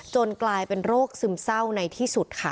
กลายเป็นโรคซึมเศร้าในที่สุดค่ะ